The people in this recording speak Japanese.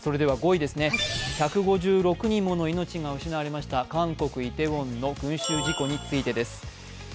５位、１５６人もの命が失われました韓国・イテウォンの群集事故についです。